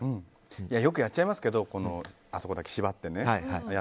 よくやっちゃいますけどあそこだけ縛って。